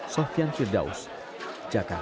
sofian firdaus jakarta